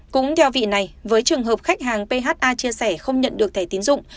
cũng theo vị này với trường hợp khách hàng pha chia sẻ không nhận được thẻ tiến dụng